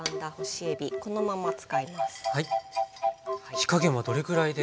火加減はどれくらいで？